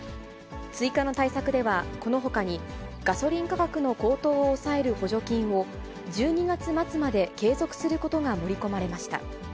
追加の対策ではこのほかに、ガソリン価格の高騰を抑える補助金を１２月末まで継続することが盛り込まれました。